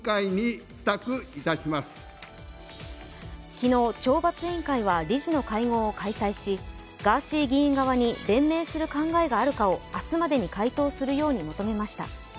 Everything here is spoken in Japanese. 昨日、懲罰委員会は理事の会合を開催し、ガーシー議員側に弁明する考えがあるかを明日までに回答するように求めました。